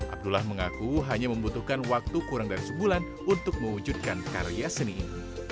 abdullah mengaku hanya membutuhkan waktu kurang dari sebulan untuk mewujudkan karya seni ini